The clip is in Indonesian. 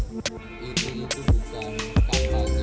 jk gunain lawan dengan bata